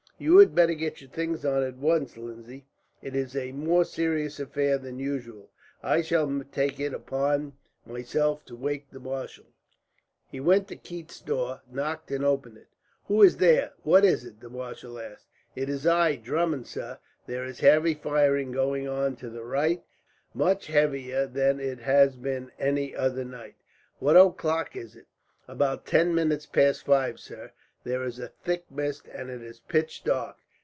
"You had better get your things on at once, Lindsay. It is a more serious affair than usual. I shall take it upon myself to wake the marshal." He went to Keith's door, knocked, and opened it. "Who is there? What is it?" the marshal asked. "It is I, Drummond, sir. There is heavy firing going on to the right, much heavier than it has been any other night." "What o'clock is it?" "About ten minutes past five, sir. There is a thick mist, and it is pitch dark.